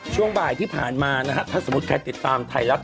ช่วงบ่ายที่ผ่านมานะฮะถ้าสมมุติใครติดตามไทยรัฐ